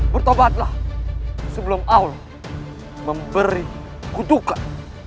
bertobatlah sebelum allah memberi kutukan